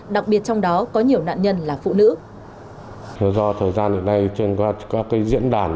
đặc biệt trong các đối tượng các đối tượng đã cướp tài sản